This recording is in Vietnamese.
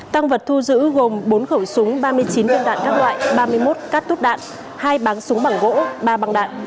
tăng vật thu giữ gồm bốn khẩu súng ba mươi chín viên đạn các loại ba mươi một cát tút đạn hai báng súng bằng gỗ ba băng đạn